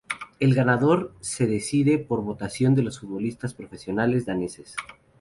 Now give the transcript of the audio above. El ganador se decide por votación de los futbolistas profesionales daneses.